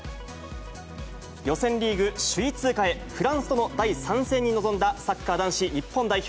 予選リーグ首位通過へ、フランスとの第３戦に臨んだ、サッカー男子日本代表。